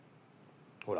ほら。